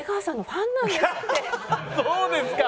そうですか。